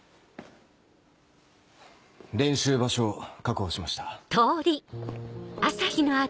練習場所を確保しました。